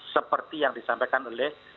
seperti yang disampaikan oleh